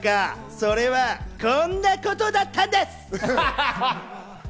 それはこんなことだったんです！